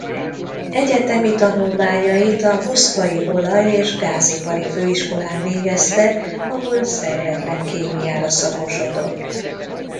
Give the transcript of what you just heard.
Egyetemi tanulmányait a moszkvai Olaj- és gázipari főiskolán végezte ahol szervetlen kémiára szakosodott.